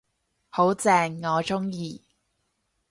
好正，我鍾意